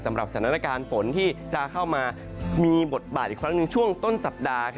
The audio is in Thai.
สำหรับสถานการณ์ฝนที่จะเข้ามามีบทบาทอีกครั้งหนึ่งช่วงต้นสัปดาห์